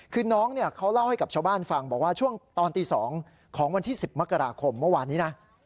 คือน้องเขาเล่าให้กับชาวบ้านฟังบอกว่าช่วงตอนตี๒ของวันที่๑๐มกราคมเมื่อวานนี้นะ